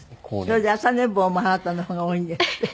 それで朝寝坊もあなたの方が多いんですって？